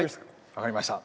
分かりました。